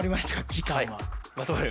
時間は？